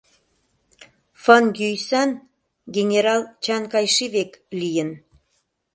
Фын-Йӱйсан генерал Чан-Кайши век лийын.